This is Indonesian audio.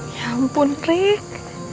ya ampun rick